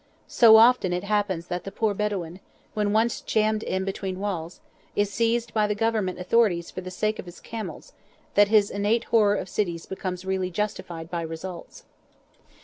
So often it happens that the poor Bedouin, when once jammed in between walls, is seized by the Government authorities for the sake of his camels, that his innate horror of cities becomes really justified by results.